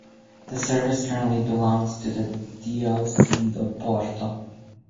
The Service currently belongs to the Diocese of Porto.